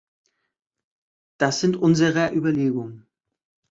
Das sind unserer Überlegungen.